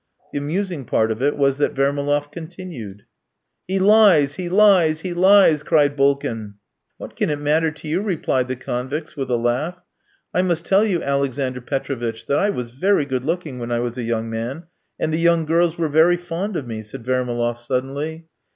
The amusing part of it was that Vermaloff continued. "He lies! He lies! He lies!" cried Bulkin. "What can it matter to you?" replied the convicts, with a laugh. "I must tell you, Alexander Petrovitch, that I was very good looking when I was a young man, and the young girls were very fond of me," said Vermaloff suddenly.